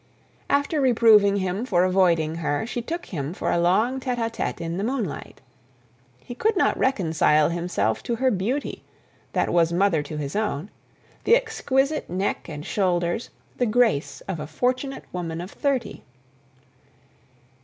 After reproving him for avoiding her, she took him for a long tete a tete in the moonlight. He could not reconcile himself to her beauty, that was mother to his own, the exquisite neck and shoulders, the grace of a fortunate woman of thirty.